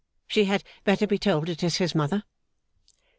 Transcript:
She had better be told it is his mother.